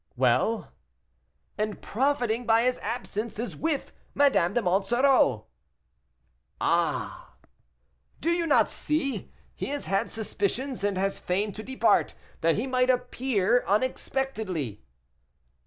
"Well?" "And, profiting by his absence, is with Madame de Monsoreau." "Ah!" "Do you not see? he has had suspicions, and has feigned to depart, that he might appear unexpectedly."